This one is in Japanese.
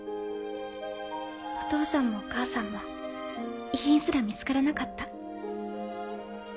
お父さんもお母さんも遺品すら見つからなかった。